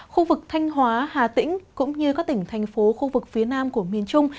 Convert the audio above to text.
khu vực thanh hóa hà tĩnh cũng như các tỉnh thành phố khu vực phía nam của miền trung